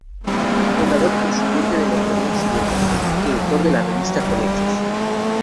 Fundador y Presidente de la Editorial Silueta; Director de la revista Conexos.